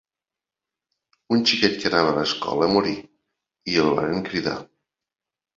Un xiquet que anava a escola morí, i el varen cridar.